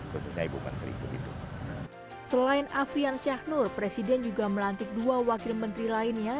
khususnya ibu menteri selain afriansyah nur presiden juga melantik dua wakil menteri lainnya